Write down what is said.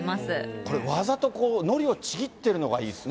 これ、わざとのりをちぎっているのがいいですね。